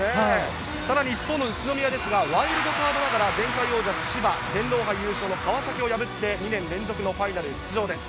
さらに宇都宮はワイルドカードながら前回王者・千葉、天皇杯優勝の川崎を破って２年連続のファイナル出場です。